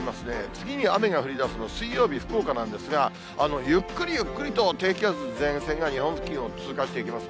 次に雨が降りだすの、水曜日、福岡なんですが、ゆっくりゆっくりと低気圧、前線が日本付近を通過していきます。